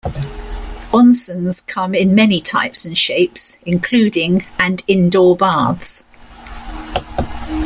Onsens come in many types and shapes, including and indoor baths.